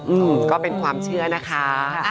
อืมก็เป็นความเชื่อนะคะ